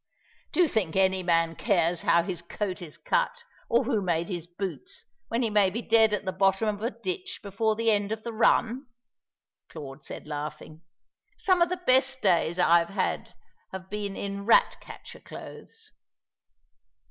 "Do you think any man cares how his coat is cut, or who made his boots, when he may be dead at the bottom of a ditch before the end of the run?" Claude said, laughing. "Some of the best days I have had have been in rat catcher clothes."